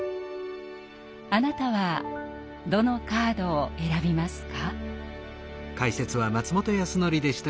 あなたはどのカードを選びますか？